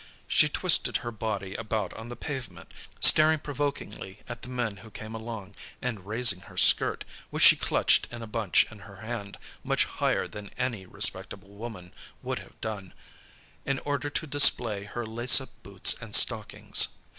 She twisted her body about on the pavement, staring provokingly at the men who came along, and raising her skirt, which she clutched in a bunch in her hand, much higher than any respectable woman would have done, in order to display her lace up boots and stockings.